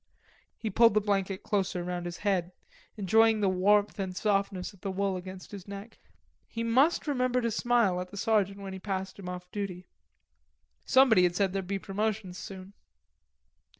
He pulled the blanket closer round his head, enjoying the warmth and softness of the wool against his cheek. He must remember to smile at the sergeant when he passed him off duty. Somebody had said there'd be promotions soon.